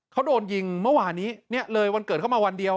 เขาโดนยิงเมื่อวานนี้เนี่ยเลยวันเกิดเข้ามาวันเดียว